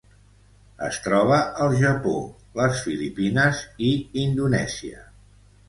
Es troba al Japó, les Filipines i Indonèsia.